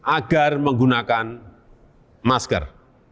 agar menggunakan masker